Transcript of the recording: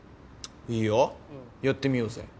いいよやってみようぜ。